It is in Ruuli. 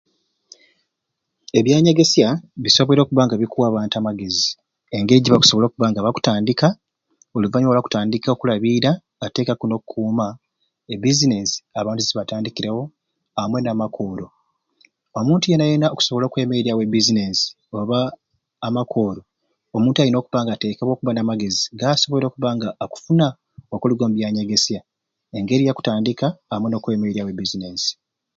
Ebyanyegesya bisoboire okuba nga bikuwa abantu amagezi engeri gyebakusobola okuba nga bakutandikawo oluvanyuma lwa kutandika okulabiira tekaku nokukuma e business abantu zebatandikirewo amwei namakoro omuntu yena yena okusobola okwemeryawo e business oba amakoro omuntu ayina okuba nga atekeibwe okuba namagezi gasoboire okuba nga bakufuna okuluga omu byanyegesya engeri yakutandika amwei nokwemeryawo e business